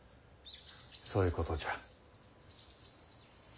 そういうことじゃ。